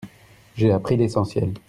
J'ai appris l'essentiel.